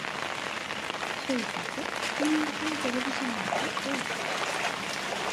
সেই সাথে তিনি একজন টেলিভিশন নাটকের পরিচালক।